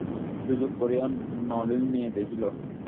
সুযোগ করিয়া নলিন মেয়ে দেখিল।